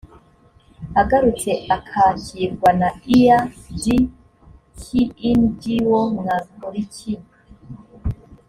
agarutse akakirwa na ear d kngo mwakoriki